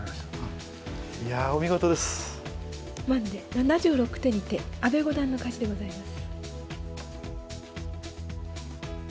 ７６手にて阿部五段の勝ちでございます。